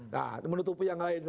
nah menutupi yang lain